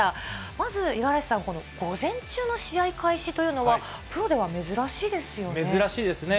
まず五十嵐さん、午前中の試合開始というのは、プロでは珍しいですよね。